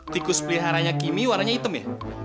tikus peliharanya kini warnanya hitam ya